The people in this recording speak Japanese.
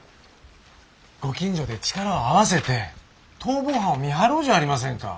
ご近所で力を合わせて逃亡犯を見張ろうじゃありませんか。